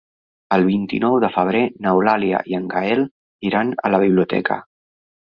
El vint-i-nou de febrer n'Eulàlia i en Gaël iran a la biblioteca.